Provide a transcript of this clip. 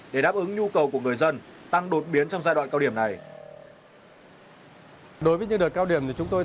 để đáp ứng nhu cầu của người dân tăng đột biến trong giai đoạn cao điểm này